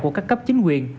của các cấp chính quyền